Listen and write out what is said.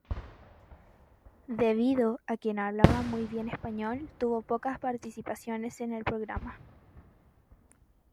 Debido a que no hablaba muy bien español tuvo pocas participaciones en el programa.